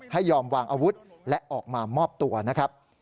ยอมวางอาวุธและออกมามอบตัวนะครับ